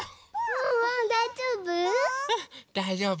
ワンワンだいじょうぶ？